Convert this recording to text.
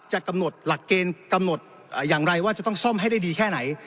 จะกำหนดหลักเกณฑ์กำหนดอย่างไรว่าจะต้องซ่อมให้ได้ดีแค่ไหน